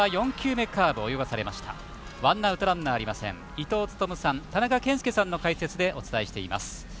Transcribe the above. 伊東勤さん、田中賢介さんの解説でお伝えしています。